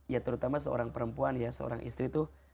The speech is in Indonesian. ya terutama seorang perempuan ya seorang istri itu